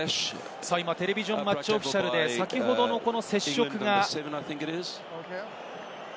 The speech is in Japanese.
テレビジョン・マッチ・オフィシャルで、先ほどの接触が。